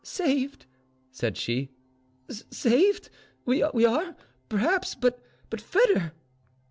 "Saved?" said she, "saved? We are, perhaps, but Foedor!"